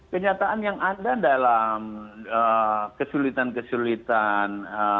kenyataan yang ada dalam kesulitan kesulitan